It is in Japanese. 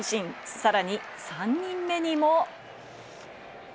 さらに３人目にも。